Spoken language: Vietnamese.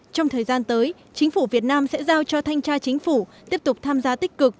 trong thời gian tới chính phủ việt nam sẽ giao cho thanh tra chính phủ tiếp tục tham gia tích cực